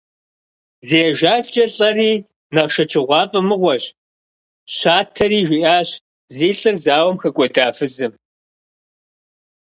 Зи ажалкӀэ лӀэри нэхъ шэчыгъуафӀэ мыгъуэщ, – щатэри жиӀащ зи лӀыр зауэм хэкӀуэда фызым.